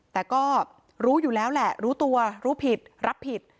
แต่ก็รู้อยู่แล้วแหละรู้ตัวรู้ผิดรับผิด